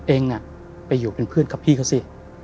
เองไปอยู่เป็นเพื่อนกับพี่เขาสิ